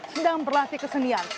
sedang berlatih kesenian